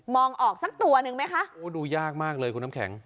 องออกสักตัวหนึ่งไหมคะโอ้ดูยากมากเลยคุณน้ำแข็ง